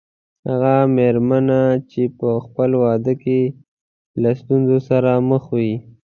هغه مېرمنه چې په خپل واده کې له ستونزو سره مخ وي.